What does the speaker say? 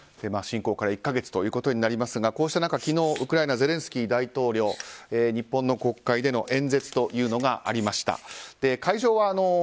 侵攻から１か月ということになりますがこうした中、昨日ウクライナのゼレンスキー大統領日本の国会での演説がありました。